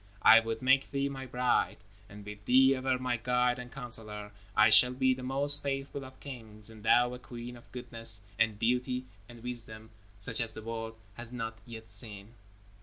I would make thee my bride, and with thee ever my guide and counselor, I shall be the most faithful of kings, and thou a queen of goodness and beauty and wisdom such as the world has not yet seen."